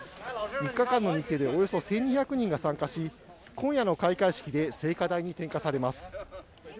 ３日間の日程でおよそ１２００人が参加し今夜の開会式で聖火台に点火されます。